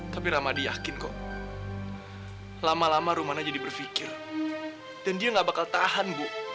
tapi ramadi yakin kok lama lama romana jadi berpikir dan dia gak bakal tahan bu